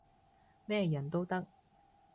咩人都得